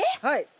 はい。